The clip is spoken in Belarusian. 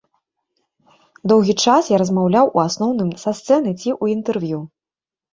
Доўгі час я размаўляў у асноўным са сцэны ці ў інтэрв'ю.